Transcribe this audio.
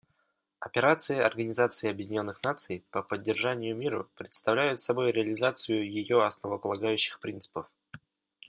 Операции Организации Объединенных Наций по поддержанию мира представляют собой реализацию ее основополагающих принципов.